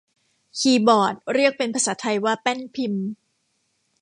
คีย์บอร์ดเรียกเป็นภาษาไทยว่าแป้นพิมพ์